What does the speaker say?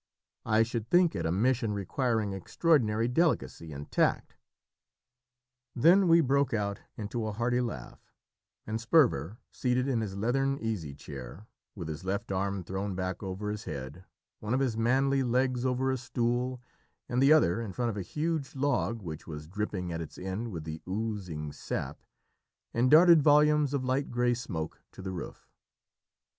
"I should think it a mission requiring extraordinary delicacy and tact." Then we broke out into a hearty laugh, and Sperver, seated in his leathern easy chair, with his left arm thrown back over his head, one of his manly legs over a stool, and the other in front of a huge log, which was dripping at its end with the oozing sap, and darted volumes of light grey smoke to the roof.